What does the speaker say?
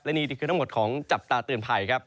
นี่คือทั้งหมดของจับตาเตือนภัยครับ